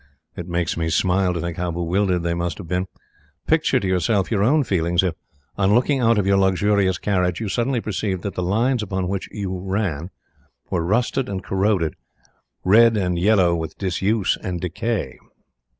It makes me smile to think how bewildered they must have been. Picture to yourself your own feelings if, on looking out of your luxurious carriage, you suddenly perceived that the lines upon which you ran were rusted and corroded, red and yellow with disuse and decay!